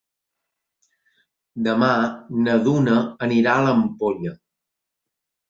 Demà na Duna anirà a l'Ampolla.